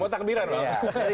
mau takbiran bang